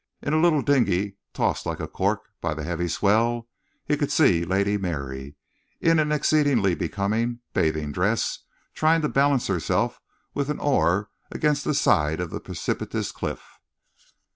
In a little dinghy, tossed like a cork by the heavy swell, he could see Lady Mary, in an exceedingly becoming bathing dress, trying to balance herself with an oar against the side of the precipitous cliff.